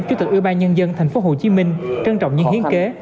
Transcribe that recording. chủ tịch ưu ba nhân dân thành phố hồ chí minh trân trọng những hiến kế